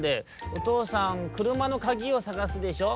「おとうさんくるまのかぎをさがすでしょ」。